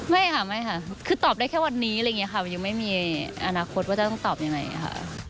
ไม่ค่ะไม่ค่ะคือตอบได้แค่วันนี้อะไรอย่างนี้ค่ะยังไม่มีอนาคตว่าจะต้องตอบยังไงค่ะ